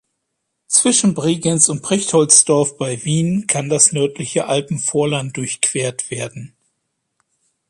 Zwischen Bregenz und Perchtoldsdorf bei Wien kann das nördliche Alpenvorland durchquert werden.